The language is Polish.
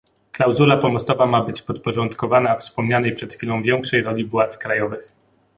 Klauzula pomostowa ma być podporządkowana wspomnianej przed chwilą większej roli władz krajowych